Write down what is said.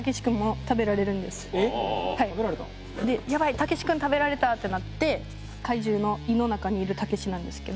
たけし君食べられた！ってなって怪獣の胃の中にいるたけしなんですけど。